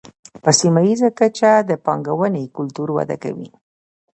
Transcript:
په سیمه ییزه کچه د پانګونې کلتور وده کوي.